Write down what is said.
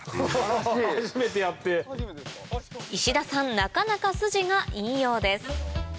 なかなか筋がいいようです